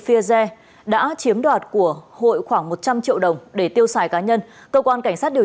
phia re đã chiếm đoạt của hội khoảng một trăm linh triệu đồng để tiêu sải cá nhân cơ quan cảnh sát điều